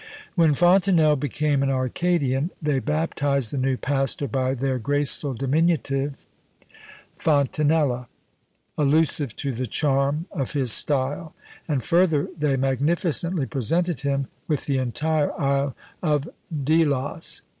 When Fontenelle became an Arcadian, they baptized the new Pastor by their graceful diminutive Fontanella allusive to the charm, of his style; and further they magnificently presented him with the entire Isle of Delos!